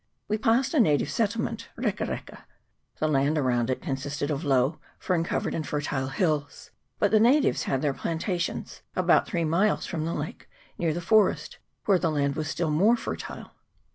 We passed a native settlement, Reka Reka : the land around it consisted of low, fern covered, and fertile hills ; but the natives had their plantations about three miles from the lake, near the forest, where the land was still more fertile.